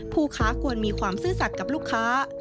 ผู้ค้าควรมีความซื่อสัตว์กับลูกค้า